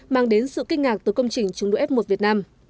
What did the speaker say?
mang đến sự kinh ngạc từ công trình trung đua f một việt nam